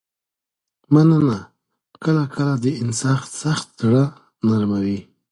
مننه کله کله د انسان سخت زړه نرموي.